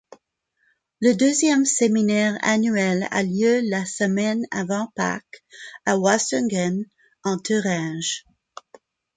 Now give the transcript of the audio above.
Le deuxième séminaire annuel a lieu la semaine avant Pâques à Wasungen, en Thuringe.